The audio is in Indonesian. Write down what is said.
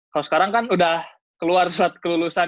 kalau sekarang kan udah keluar surat kelulusan